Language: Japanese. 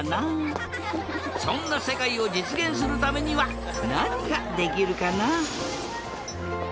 そんなせかいをじつげんするためにはなにができるかな？